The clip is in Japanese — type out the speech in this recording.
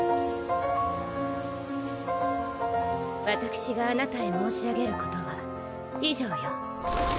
私があなたへ申し上げることは以上よ。